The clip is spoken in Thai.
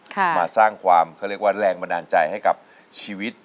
มาสร้างความเขาเรียกว่าแรงบันดาลใจให้กับชีวิต